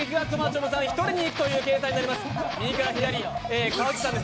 むさん１人にいくという形態になります。